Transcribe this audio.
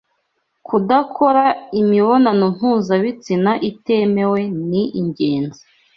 Kudakora imibonano mpuzabitsina itemewe ni ingenzi